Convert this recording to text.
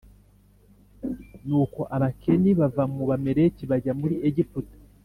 Nuko Abakeni bava mu Bamaleki bajya muri Egiputa